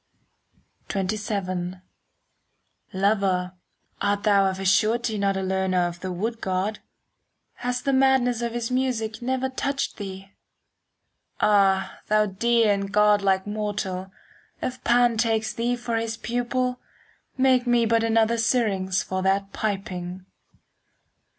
XXVII Lover, art thou of a surety Not a learner of the wood god? Has the madness of his music Never touched thee? Ah, thou dear and godlike mortal, 5 If Pan takes thee for his pupil, Make me but another Syrinx For that piping.